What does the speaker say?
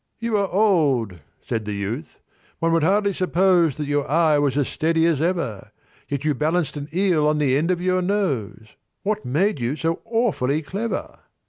"You are old," said the youth, "one would hardly suppose That your eye was as steady as ever; Yet you balanced an eel on the end of your nose— What made you so awfully clever?"